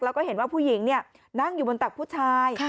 แล้วก็เห็นว่าผู้หญิงนั่งอยู่บนตักผู้ชาย